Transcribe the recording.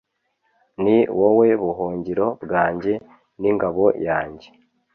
Ni wowe buhungiro bwanjye n’ingabo yanjye